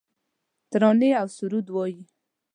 ترانې اوسرود وایې